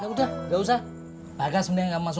udah main ya gas